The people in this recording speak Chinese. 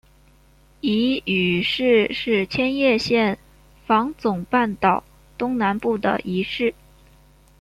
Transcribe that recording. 夷隅市是千叶县房总半岛东南部的一市。